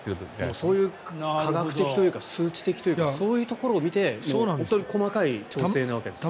そういう科学的というか数値的というかそういうところを見て、本当に細かい調整なわけなんですね。